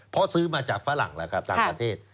เพราะซื้อมาจากฝรั่งแล้วครับต่างประเทศ